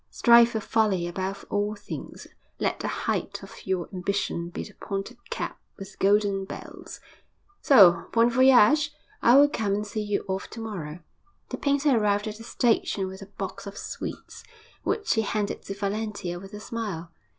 Strive for folly above all things. Let the height of your ambition be the pointed cap with the golden bells. So, bon voyage! I will come and see you off to morrow.' The painter arrived at the station with a box of sweets, which he handed to Valentia with a smile.